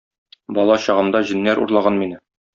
Бала чагымда җеннәр урлаган мине.